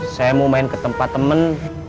saya mau main ke tempat temen